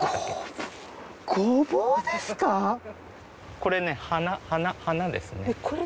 これ花ですね。